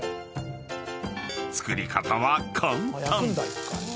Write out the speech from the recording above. ［作り方は簡単！］